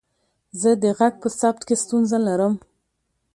زه د غږ په ثبت کې ستونزه لرم.